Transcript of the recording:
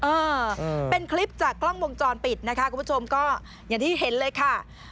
เออเป็นคลิปจากกล้องวงจรปิดนะคะคุณผู้ชมก็อย่างที่เห็นเลยค่ะ